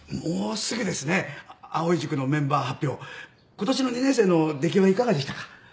今年の２年生の出来はいかがでしたか？